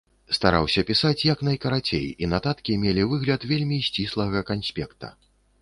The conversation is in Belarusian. Стараўся пісаць як найкарацей, і нататкі мелі выгляд вельмі сціслага канспекта.